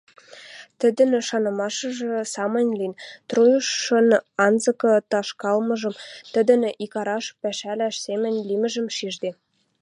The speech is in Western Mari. Тӹдӹн шанымашыжы самынь лин: труйышын анзыкы ташкалмыжым, тӹдӹн икараш пӓшӓлӓн семӹнь лимӹжӹм шижде.